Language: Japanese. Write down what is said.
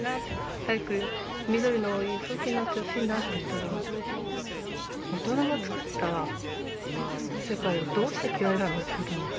早く緑の多い風景になってほしいな」って言ったら「大人がつくった世界をどうして嫌いなの？」って言われたんです。